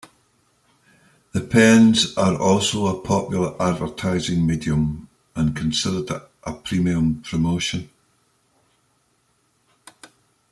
The pens are also a popular advertising medium and considered a "premium" promotion.